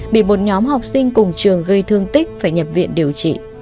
bị một nhóm học sinh cùng trường gây thương tích phải nhập viện điều trị